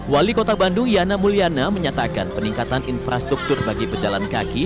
wali kota bandung yana mulyana menyatakan peningkatan infrastruktur bagi pejalan kaki